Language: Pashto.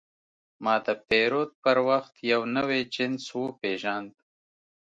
ما د پیرود پر وخت یو نوی جنس وپېژاند.